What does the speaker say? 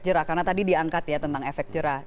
jerah karena tadi diangkat ya tentang efek jerah